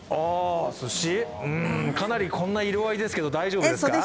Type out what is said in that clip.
こんな色合いですけど大丈夫ですか？